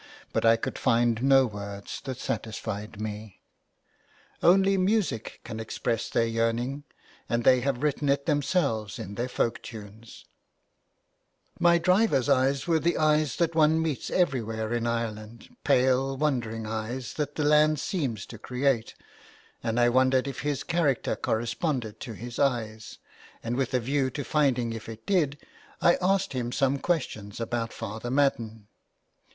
But I could find no words that satisfied me. " Only music can express their yearning, and they have written it themselves in their folk tunes." 202 JULIA CAHILL'S CURSE. My driver's eyes were the eyes that one meets everywhere in Ireland, pale, wandering eyes that the land seems to create, and I wondered if his character corresponded to his eyes ; and with a view to finding if it did I asked him some questions about Father Madden.